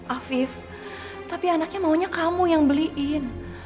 afif tapi anaknya maunya kamu yang beliin